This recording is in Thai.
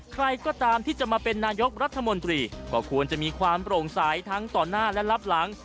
ใครก็ตามที่จะมาเป็นนายกรัฐมนตรีก็ควรจะมีความโปร่งใสทั้งต่อหน้าและรับหลัง